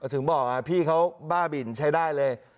ถึงบอกพี่เขาบ้าบินใช้ได้เลย